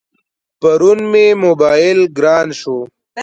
پرون مې موبایل گران شو.